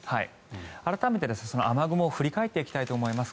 改めて雨雲の様子を振り返っていきたいと思います。